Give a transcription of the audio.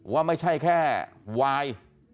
ว่าไม่ใช่แค่วาย